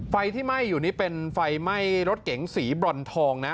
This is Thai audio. ไฟที่ไหม้อยู่นี่เป็นไฟไหม้รถเก๋งสีบรอนทองนะ